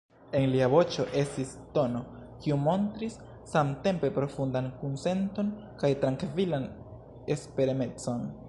En lia voĉo estis tono, kiu montris samtempe profundan kunsenton kaj trankvilan esperemecon.